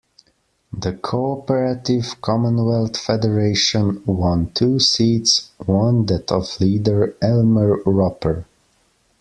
The Cooperative Commonwealth Federation won two seats, one that of leader Elmer Roper.